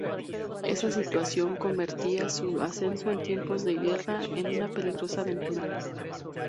Esa situación convertía su ascenso en tiempos de guerra en una peligrosa aventura.